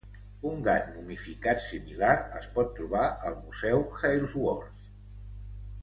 Un gat momificat similar es pot trobar al Museu Halesworth.